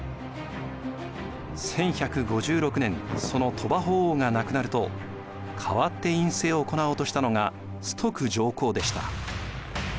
１１５６年その鳥羽法皇が亡くなると代わって院政を行おうとしたのが崇徳上皇でした。